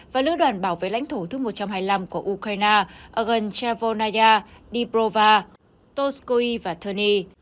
và lữ đoàn bảo vệ lãnh thổ thứ một trăm hai mươi năm của ukraine ở gần chevolnaya dniprova toskoy và terni